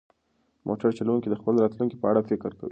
موټر چلونکی د خپل راتلونکي په اړه فکر کوي.